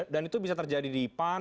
dan itu bisa terjadi di pan